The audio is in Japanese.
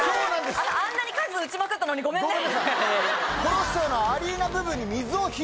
あんなに数打ちまくったのにごめんね。